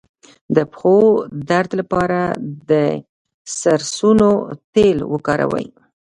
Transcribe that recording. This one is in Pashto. د پښو درد لپاره د سرسونو تېل وکاروئ